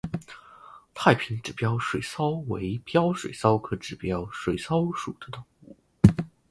太平指镖水蚤为镖水蚤科指镖水蚤属的动物。